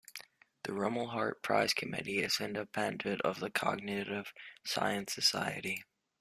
The Rumelhart Prize committee is independent of the Cognitive Science Society.